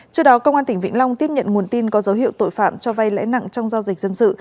trước đó công an tỉnh vĩnh long tiếp nhận nguồn tin có dấu hiệu tội phạm cho vay lãi nặng trong giao dịch dân sự